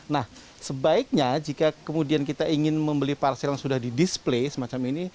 nah sebaiknya jika kemudian kita ingin membeli parcel yang sudah di display semacam ini